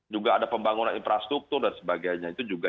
juga ada pembangunan infrastruktur dan sebagainya itu juga